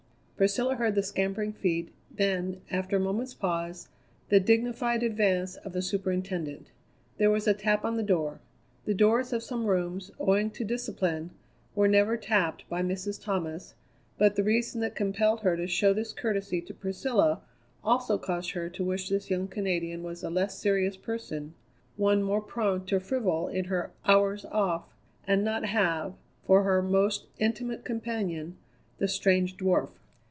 Priscilla heard the scampering feet, then, after a moment's pause, the dignified advance of the superintendent. There was a tap on the door. The doors of some rooms, owing to discipline, were never tapped by Mrs. Thomas, but the reason that compelled her to show this courtesy to Priscilla also caused her to wish this young Canadian was a less serious person; one more prone to frivol in her "hours off," and not have, for her most intimate companion, the strange dwarf.